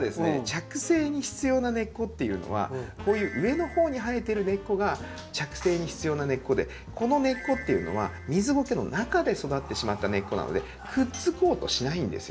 着生に必要な根っこっていうのはこういう上のほうに生えてる根っこが着生に必要な根っこでこの根っこっていうのは水ゴケの中で育ってしまった根っこなのでくっつこうとしないんですよ。